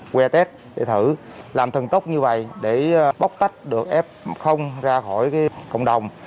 qua test để thử làm thần tốc như vầy để bóc tách được f ra khỏi cộng đồng